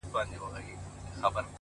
پرون دي بيا راته غمونه راكړل ـ